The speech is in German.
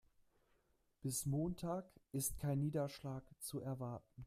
Bis Montag ist kein Niederschlag zu erwarten.